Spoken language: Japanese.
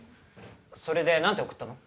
それで何て送ったの？